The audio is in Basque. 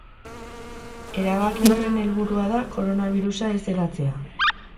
Erabaki horren helburua da koronabirusa ez hedatzea.